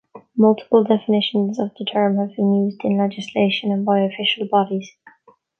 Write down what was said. Multiple definitions of the term have been used in legislation and by official bodies.